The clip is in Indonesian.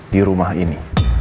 di rumah ini